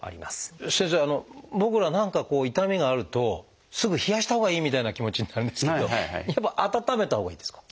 先生僕ら何かこう痛みがあるとすぐ冷やしたほうがいいみたいな気持ちになるんですけどやっぱ温めたほうがいいんですか？